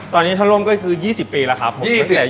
ตอนนี้ชะลมคือ๒๐ปีแล้วครับ